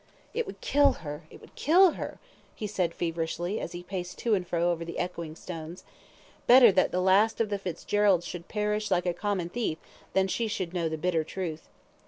"It would kill her; it would kill her," he said, feverishly, as he paced to and fro over the echoing stones. "Better that the last of the Fitzgeralds should perish like a common thief than that she should know the bitter truth.